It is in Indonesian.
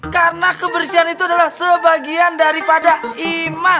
karena kebersihan itu adalah sebagian daripada iman